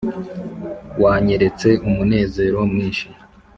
wanyeretse umunezero mwinshi